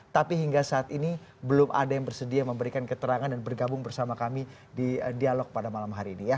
tapi hingga saat ini belum ada yang bersedia memberikan keterangan dan bergabung bersama kami di dialog pada malam hari ini ya